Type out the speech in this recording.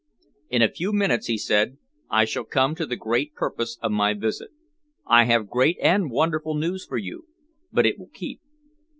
"In a few minutes," he said, "I shall come to the great purpose of my visit. I have great and wonderful news for you. But it will keep."